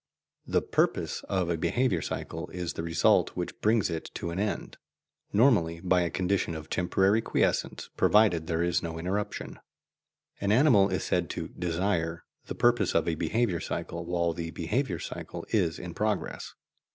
The "purpose" of a behaviour cycle is the result which brings it to an end, normally by a condition of temporary quiescence provided there is no interruption. An animal is said to "desire" the purpose of a behaviour cycle while the behaviour cycle is in progress.